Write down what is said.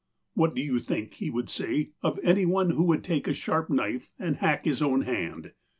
"What would you think," he would say, "of any one who would take a sharp knife and hack his own hand